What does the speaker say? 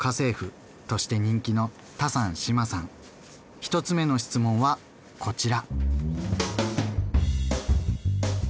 １つ目の質問はこちら。